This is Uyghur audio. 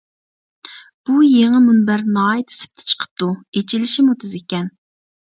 بۇ يېڭى مۇنبەر ناھايىتى سىپتا چىقىپتۇ، ئېچىلىشىمۇ تېز ئىكەن.